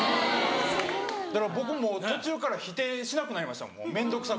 だから僕も途中から否定しなくなりました面倒くさくて。